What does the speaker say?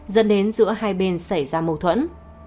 dẫn đến giữa hai bên xảy ra mâu thuẫn